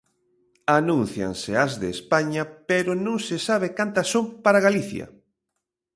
Anúncianse as de España pero non se sabe cantas son para Galicia.